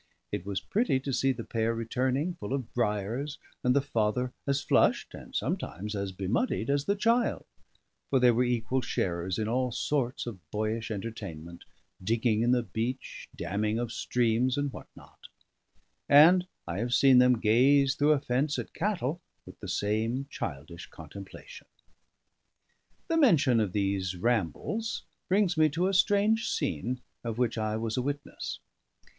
It was pretty to see the pair returning full of briers, and the father as flushed and sometimes as bemuddied as the child, for they were equal sharers in all sorts of boyish entertainment, digging in the beach, damming of streams, and what not; and I have seen them gaze through a fence at cattle with the same childish contemplation. The mention of these rambles brings me to a strange scene of which I was a witness.